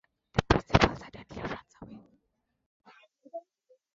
The principal suddenly runs away.